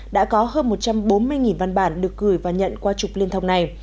đã có hơn một trăm bốn mươi văn bản được gửi và nhận qua trục liên thông này